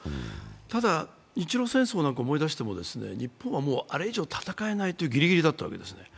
ただ、日露戦争なんかを思い出しても、日本はあれ以上、戦えないというギリギリだったんです。